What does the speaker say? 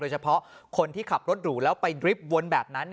เฉพาะคนที่ขับรถหรูแล้วไปดริบวนแบบนั้น